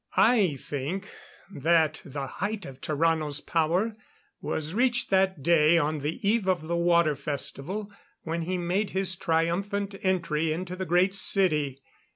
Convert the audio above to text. I think that the height of Tarrano's power was reached that day on the eve of the Water Festival when he made his triumphant entry into the Great City.